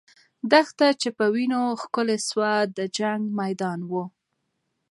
دښته چې په وینو ښکلې سوه، د جنګ میدان وو.